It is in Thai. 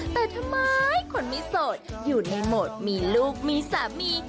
แต่ทำไมคนไม่โสดอยู่ในโหมดมีลูกมีสามี